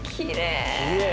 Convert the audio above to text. きれい。